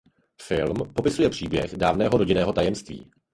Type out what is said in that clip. Film popisuje příběh dávného rodinného tajemství.